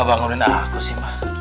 mau bangunin aku sih ma